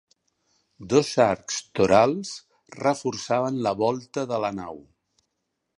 Dos arcs torals reforçaven la volta de la nau.